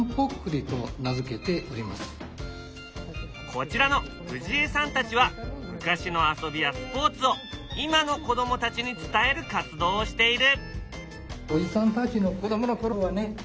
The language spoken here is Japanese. こちらの藤江さんたちは昔の遊びやスポーツを今の子供たちに伝える活動をしている。